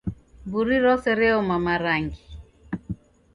Mburi rose reoma marangi